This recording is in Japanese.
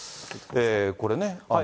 これね。